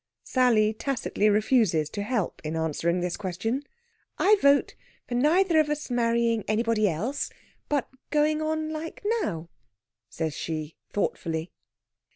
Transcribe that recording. Sally tacitly refuses to help in answering this question. "I vote for neither of us marrying anybody else, but going on like now," says she thoughtfully.